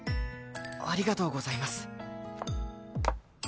ありがとうございます。